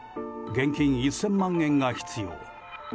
現金１０００万円が必要。